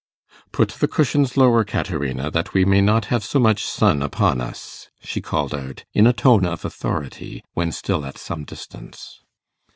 'Put the cushions lower, Caterina, that we may not have so much sun upon us,' she called out, in a tone of authority, when still at some distance.